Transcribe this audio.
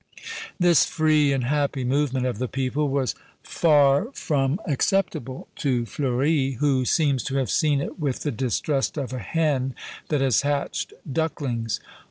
" This free and happy movement of the people was far from acceptable to Fleuri, who seems to have seen it with the distrust of a hen that has hatched ducklings.